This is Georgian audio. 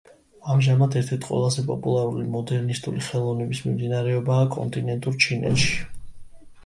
ამჟამად ერთ-ერთი ყველაზე პოპულარული მოდერნისტული ხელოვნების მიმდინარეობაა კონტინენტურ ჩინეთში.